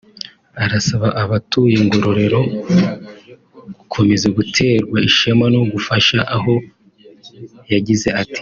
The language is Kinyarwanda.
Arasaba abatuye Ngororero gukomeza guterwa ishema no gufasha aho yagize ati